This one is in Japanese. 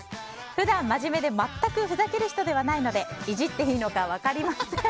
普段まじめで全くふざける人ではないのでいじっていいのか分かりません。